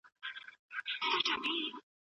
ادبیات په بېلابېلو برخو وېشل کېږي.